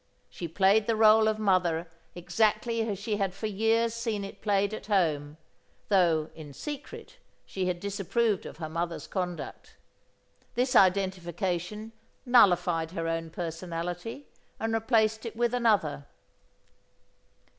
She played the role of mother exactly as she had for years seen it played at home, though, in secret, she had disapproved of her mother's conduct. This identification nullified her own personality and replaced it with another.